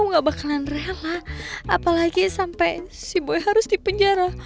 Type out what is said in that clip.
aku gak bakalan rela apalagi sampe si boy harus di penjara